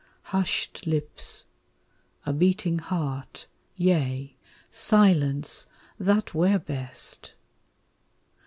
Hushed lips, a beating heart, yea, Silence, that were best.